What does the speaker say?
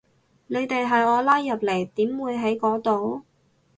你哋係我拉入嚟，點會喺嗰度